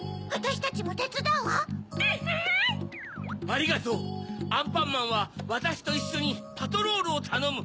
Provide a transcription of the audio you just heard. ありがとうアンパンマンはわたしといっしょにパトロールをたのむ。